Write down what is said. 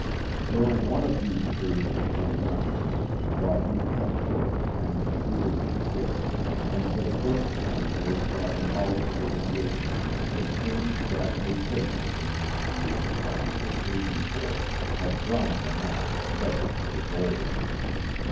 During one of these periods of unconsciousness Wabi cut short the tangled beard and hair, and for the first time they saw in all its emaciation the thin, ghastly face of the man who, half a century before, had drawn the map that led them to the gold.